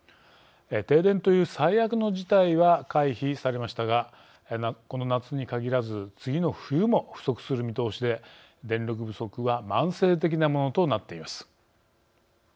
停電という最悪の事態は回避されましたがこの夏に限らず次の冬も不足する見通しで電力不足は慢性的なものとなっています。